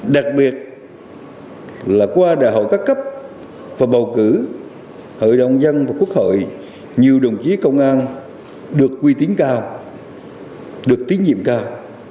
đặc biệt là qua đại hội các cấp và bầu cử hội đồng dân và quốc hội nhiều đồng chí công an được quy tín cao được tín nhiệm cao